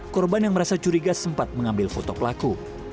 korban yang merasa curiga sempat mengambil foto pelaku